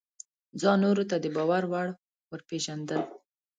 ځان نورو ته د باور وړ ورپېژندل: